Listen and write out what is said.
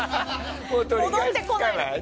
戻ってこない。